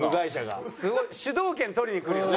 すごい主導権取りにくるよね。